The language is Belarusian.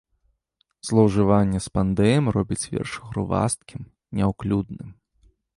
Злоўжыванне спандэем робіць верш грувасткім, няўклюдным.